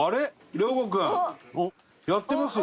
凌悟君やってますよ。